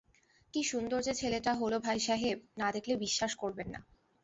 কী সুন্দর যে ছেলেটা হল ভাইসাহেব, না-দেখলে বিশ্বাস করবেন না।